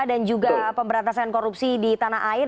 dan juga pemberantasan korupsi di tanah air